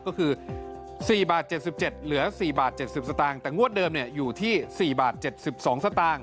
ก็คือ๔๗๗หรือ๔๗๐สตแต่งวดเดิมอยู่ที่๔๗๒สต